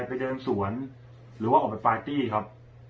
ไปเดินสวนหรือว่าออกไปปาร์ตี้ครับ